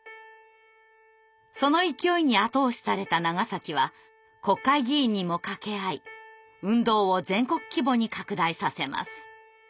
その勢いに後押しされた長は国会議員にも掛け合い運動を全国規模に拡大させます。